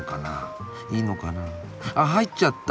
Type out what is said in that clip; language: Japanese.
あっ入っちゃった。